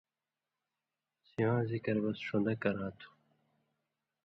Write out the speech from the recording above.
سِواں ذکِر بِس ݜُون٘دہ کرا تھو۔